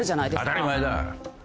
当たり前だ。